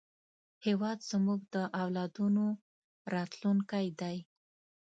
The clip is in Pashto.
هېواد زموږ د اولادونو راتلونکی دی